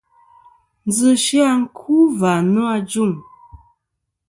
Ndzɨ sɨ-a sɨ ku va nô ajuŋ.